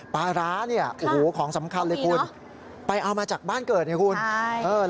ปลาร้าของสำคัญเลยคุณไปเอามาจากบ้านเกิดใช่ไหมคุณค่ะมีเนอะ